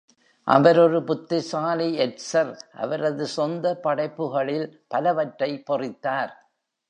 அவர் ஒரு புத்திசாலி எட்சர், அவரது சொந்த படைப்புகளில் பலவற்றை பொறித்தார்.